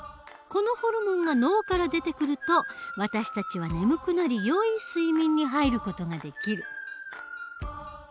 このホルモンが脳から出てくると私たちは眠くなりよい睡眠に入る事ができる。